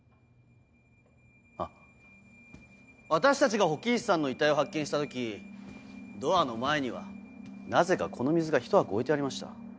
あっ私たちが火鬼壱さんの遺体を発見した時ドアの前にはなぜかこの水がひと箱置いてありました。